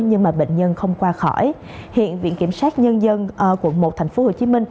nhưng mà bệnh nhân không qua khỏi hiện viện kiểm sát nhân dân ở quận một tp hcm